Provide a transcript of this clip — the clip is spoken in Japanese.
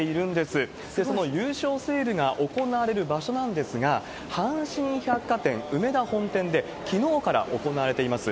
そして、その優勝セールが行われる場所なんですが、阪神百貨店梅田本店で、きのうから行われています。